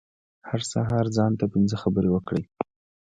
هر سهار ځان ته پنځه خبرې وکړئ .